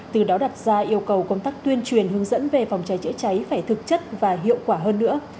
từ đó đặt ra yêu cầu công tác tuyên truyền hướng dẫn về phòng cháy chữa cháy phải thực chất và hiệu quả hơn nữa